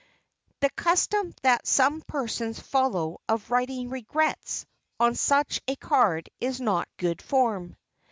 The custom that some persons follow of writing "Regrets" on such a card is not good form.